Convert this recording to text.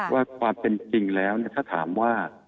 ว่าความเป็นจริงแล้วถ้าถามว่า